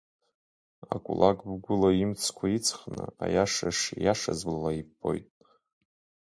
Акулак бгәыла имцқәа иҵхны, аиаша шиааиз блала иббоит.